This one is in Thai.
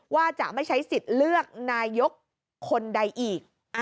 ว่าจะไม่ใช้สิทธิ์เลือกนายกคนใดอีก